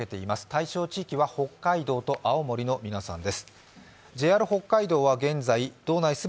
対象地域は北海道と青森の皆さんです。